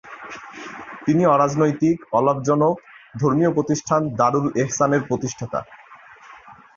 তিনি অরাজনৈতিক, অলাভজনক, ধর্মীয় প্রতিষ্ঠান দারুল এহসান এর প্রতিষ্ঠাতা।